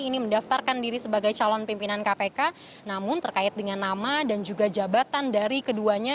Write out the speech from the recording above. ini mendaftarkan diri sebagai calon pimpinan kpk namun terkait dengan nama dan juga jabatan dari keduanya